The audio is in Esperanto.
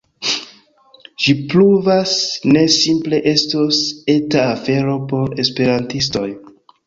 Ĝi pruvas ne simple estos eta afero por esperantistoj